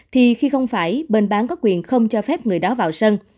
thì khi không phải bên bán có quyền không cho phép người đó vào sân